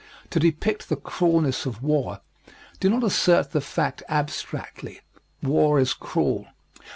To depict the cruelness of war, do not assert the fact abstractly "War is cruel."